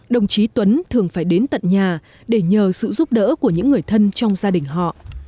đồng chí tuấn thường phải đến tận nhà để nhờ sự giúp đỡ của những người thân trong gia đình họ